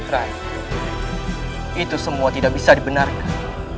itu semua tidak bisa dibenarkan